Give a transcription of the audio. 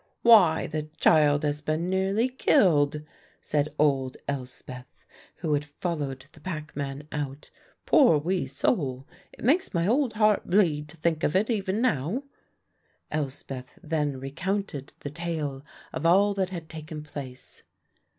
"Why, the child has been nearly killed," said old Elspeth who had followed the packman out. "Poor wee soul, it makes my old heart bleed to think of it even now." Elspeth then recounted the tale of all that had taken place.